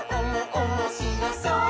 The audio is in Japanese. おもしろそう！」